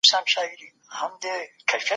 رښتيني انسان خپل ځان د خدای رضا ته سپارلی دی.